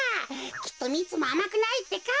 きっとミツもあまくないってか。